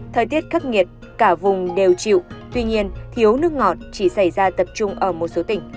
thời tiết khắc nghiệt cả vùng đều chịu tuy nhiên thiếu nước ngọt chỉ xảy ra tập trung ở một số tỉnh